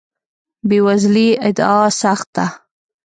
بې وزلۍ ادعا سخت ده.